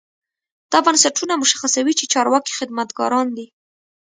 دا بنسټونه مشخصوي چې چارواکي خدمتګاران دي.